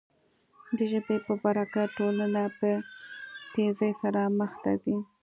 د ژبې په برکت ټولنه په تېزۍ سره مخ ته ځي.